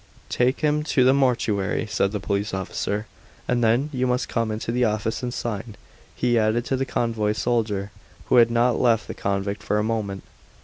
"Take him to the mortuary," said the police officer. "And then you must come into the office and sign," he added to the convoy soldier, who had not left the convict for a moment.